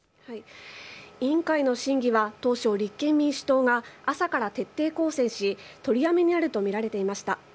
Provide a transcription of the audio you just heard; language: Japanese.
委員会の審議は当初、立憲民主党が朝から徹底抗戦し、取りやめになると見られていました。